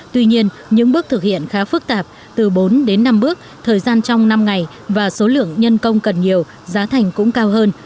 tuy nhiên những bước thực hiện khá phức tạp từ bốn đến năm bước thời gian trong năm ngày và số lượng nhân công cần nhiều giá thành cũng cao hơn